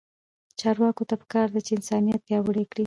چارواکو ته پکار ده چې، انسانیت پیاوړی کړي.